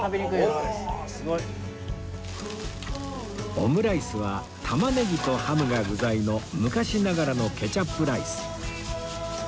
オムライスは玉ねぎとハムが具材の昔ながらのケチャップライス